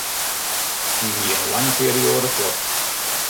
Hy wie in lange perioade fuort.